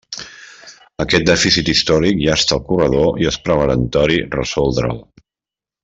Aquest dèficit històric llasta el corredor i és peremptori resoldre'l.